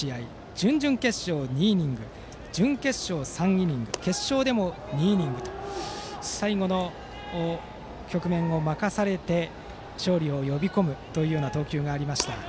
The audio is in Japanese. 準々決勝２イニング準決勝３イニング決勝でも２イニングと最後の局面を任されて勝利を呼び込むという投球がありました。